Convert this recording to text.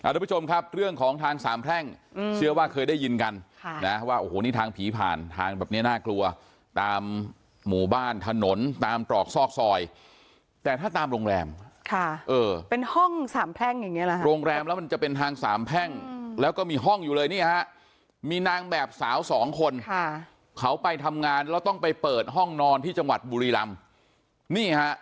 ทุกผู้ชมครับเรื่องของทางสามแพร่งเชื่อว่าเคยได้ยินกันค่ะนะว่าโอ้โหนี่ทางผีผ่านทางแบบเนี้ยน่ากลัวตามหมู่บ้านถนนตามตรอกซอกซอยแต่ถ้าตามโรงแรมค่ะเออเป็นห้องสามแพร่งอย่างเงี้เหรอฮะโรงแรมแล้วมันจะเป็นทางสามแพร่งแล้วก็มีห้องอยู่เลยนี่ฮะมีนางแบบสาวสองคนค่ะเขาไปทำงานแล้วต้องไปเปิดห้องนอนที่จังหวัดบุรีรำนี่ฮะ